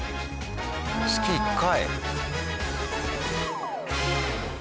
月１回？